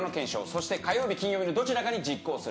そして火曜日金曜日のどちらかに実行する。